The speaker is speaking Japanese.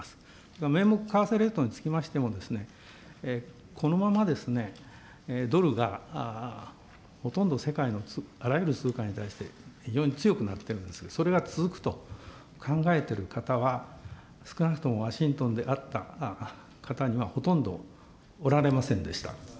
それから名目為替レートにつきましても、このままですね、ドルがほとんど世界のあらゆる通貨に対して、非常に強くなっているんですけれども、それが続くと考えてる方は、少なくともワシントンで会った方にはほとんどおられませんでした。